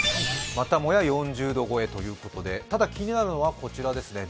またもや４０度超えということで気になるのはこちらですね。